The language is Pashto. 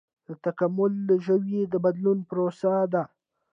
تکامل د ژویو د بدلون پروسه ده